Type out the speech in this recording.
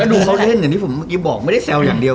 และดูเขาเล่นเนี่ยเป็นที่ผมบอกไม่ได้แซวอย่างเดียว